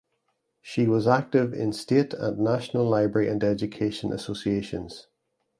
She was active in state and national library and education associations.